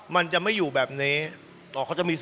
มันจะไม่อยู่แบบนี้